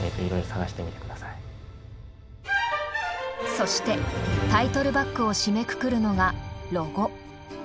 そしてタイトルバックを締めくくるのがロゴ。